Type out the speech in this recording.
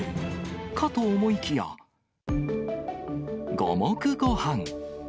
かと思いきや、五目ごはん。